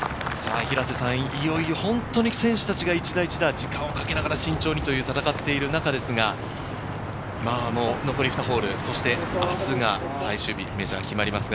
いよいよ本当に選手たちが一打一打時間をかけながら慎重にと戦ってる中ですが、残り２ホール、そして明日が最終日、メジャーが決まります。